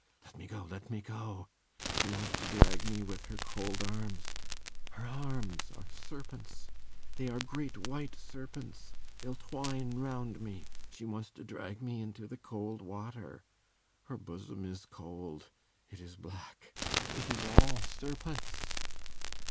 .. let me go ... let me go ... she wants to drag me with her cold arms ... her arms are serpents ... they are great white serpents ... they'll twine round me ... she wants to drag me into the cold water ... her bosom is cold ... it is black ... it is all serpents